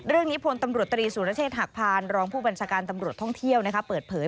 พลตำรวจตรีสุรเชษฐหักพานรองผู้บัญชาการตำรวจท่องเที่ยวเปิดเผย